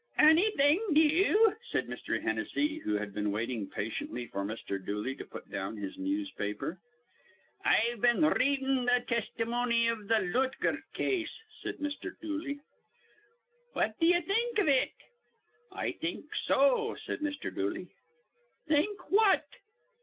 "Annything new?" said Mr. Hennessy, who had been waiting patiently for Mr. Dooley to put down his newspaper. "I've been r readin' th' tistimony iv th' Lootgert case," said Mr. Dooley. "What d'ye think iv it?" "I think so," said Mr. Dooley. "Think what?"